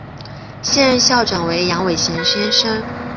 现任校长为杨伟贤先生。